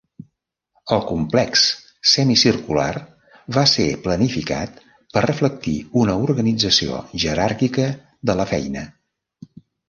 El complex semicircular va ser planificat per reflectir una organització jeràrquica de la feina.